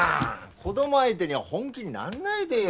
子供相手に本気になんないでよ。